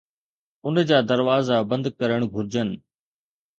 ان جا دروازا بند ڪرڻ گھرجن